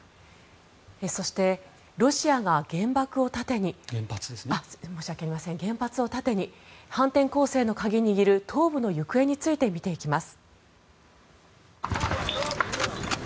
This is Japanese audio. そしてロシアが原発を盾に反転攻勢の鍵握る東部の行方について見ていきます。